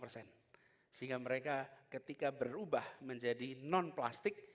sehingga mereka ketika berubah menjadi non plastik